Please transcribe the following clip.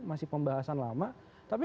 masih pembahasan lama tapi